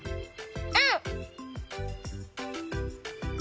うん！